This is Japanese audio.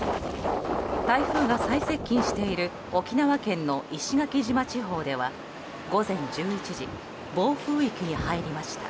台風が最接近している沖縄県の石垣島地方では午前１１時暴風域に入りました。